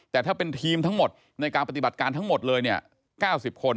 แต่ถ้าเป็นทีมทั้งหมดในการปฏิบัติการทั้งหมดเลยเนี่ย๙๐คน